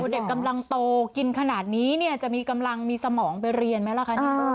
เด็กกำลังโตกินขนาดนี้เนี่ยจะมีกำลังมีสมองไปเรียนไหมล่ะคะ